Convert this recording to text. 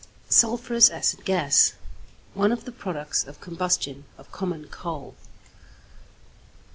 =Sulphurous Acid Gas.= One of the products of combustion of common coal.